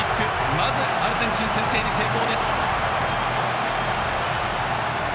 まずアルゼンチン、先制に成功。